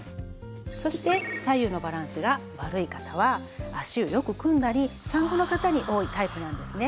そして左右のバランスが悪い方は脚をよく組んだり産後の方に多いタイプなんですね。